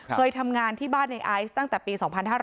เคยทำงานที่บ้านในไอซ์ตั้งแต่ปี๒๕๕๙